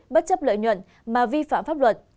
bất chấp lợi nhuận mà vi phạm pháp luật